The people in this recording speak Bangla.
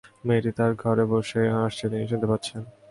মেয়েটি তার ঘরে বসেই হাসছে, তিনি শুনতে পাচ্ছেন।